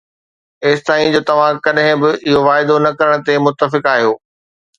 ايستائين جو توهان ڪڏهن به اهو واعدو نه ڪرڻ تي متفق آهيو